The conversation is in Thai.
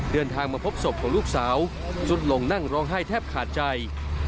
เดินทางมาพบศพของลูกสาวสุดลงนั่งร้องไห้แทบขาดใจ